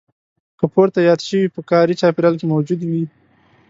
که پورته یاد شوي په کاري چاپېریال کې موجود وي.